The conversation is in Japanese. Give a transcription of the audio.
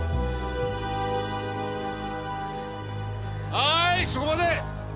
はーいそこまで！